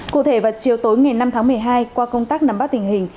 cụ thể vào chiều tối ngày năm tháng một mươi hai qua công tác nắm bắt tình hình